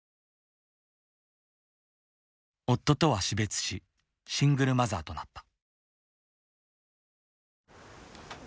夫とは死別しシングルマザーとなった。